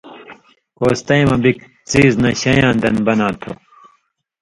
کوستَیں مہ بِگ څیز نشَیں یان دن بناں تھُو۔